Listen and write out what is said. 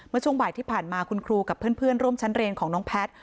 ช่วงบ่ายที่ผ่านมาคุณครูกับเพื่อนร่วมชั้นเรียนของน้องแพทย์